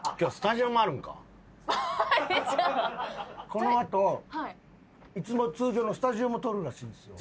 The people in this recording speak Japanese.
この後通常のスタジオも撮るらしいんですよ。